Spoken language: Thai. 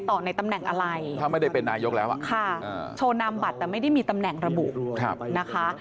ต่อในตำแหน่งอะไรค่ะโชว์นามบัตรแต่ไม่ได้มีตำแหน่งระบุนะคะถ้าไม่ได้เป็นนายกแล้ว